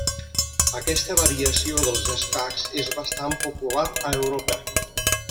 Aquesta variació dels escacs és bastant popular a Europa.